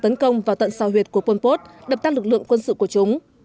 tấn công vào tận sao huyệt của pol pot đập tan lực lượng quân sự của chúng